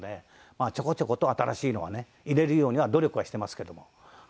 まあちょこちょこと新しいのはね入れるようには努力はしてますけどもはい。